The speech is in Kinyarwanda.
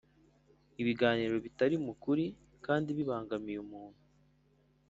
Ibiganiro bitari mu kuri kandi bibangamiye umuntu